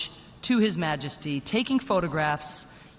และมีตัวเกมบริจน์ที่มีคำแพ้ที่กลับมา